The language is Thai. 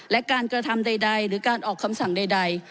และการกระทำใดหรือการออกคำสั่งใด